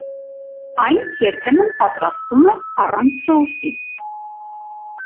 Այն երբեմն պատրաստվում է առանց սոուսի։